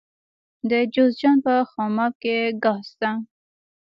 د جوزجان په خماب کې ګاز شته.